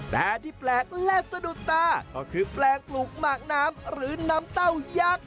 แต่ที่แปลกและสะดุดตาก็คือแปลงปลูกหมากน้ำหรือน้ำเต้ายักษ์